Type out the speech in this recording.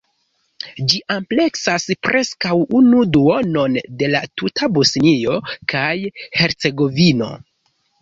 Ĝi ampleksas preskaŭ unu duonon de la tuta Bosnio kaj Hercegovino.